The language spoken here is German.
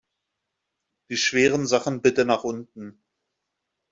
Die schweren Sachen bitte nach unten!